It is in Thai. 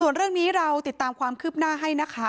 ส่วนเรื่องนี้เราติดตามความคืบหน้าให้นะคะ